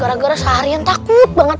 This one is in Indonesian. gara gara seharian takut banget